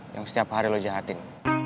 yang setiap hari lo jahatin